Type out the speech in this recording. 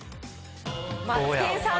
マツケンさん。